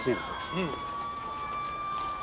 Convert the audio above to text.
うん。